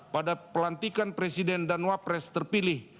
pada pelantikan presiden danwa pres terpilih